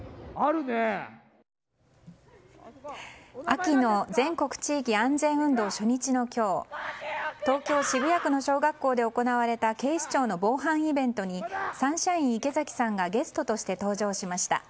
秋の全国地域安全運動初日の今日東京・渋谷区の小学校で行われた警視庁の防犯イベントにサンシャイン池崎さんがゲストとして登場しました。